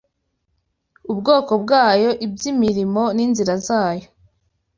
ubwoko bwayo iby’imirimo n’inzira zayo